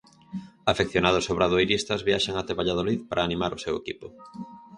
Afeccionados obradoiristas viaxan até Valladolid para animar ao seu equipo.